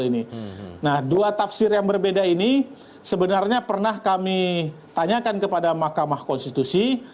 nah dua tafsir yang berbeda ini sebenarnya pernah kami tanyakan kepada mahkamah konstitusi